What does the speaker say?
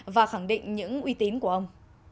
và khẳng định những uy tín của ông